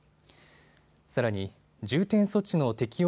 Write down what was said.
さらに重点措置の適用